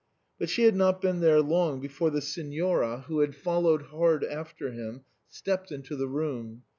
But he had not been there long before the Signora, who had followed hard after him, stepped into the room.